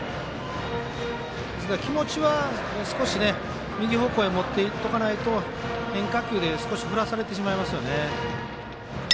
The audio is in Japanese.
ですから、気持ちは少し右方向に持っていっておかないと変化球で振らされてしまいますね。